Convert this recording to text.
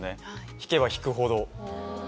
弾けば弾くほど。